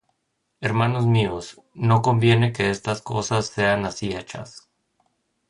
Hermanos míos, no conviene que estas cosas sean así hechas.